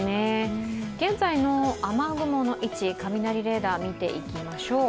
現在の雨雲の位置雷レーダー見ていきましょう。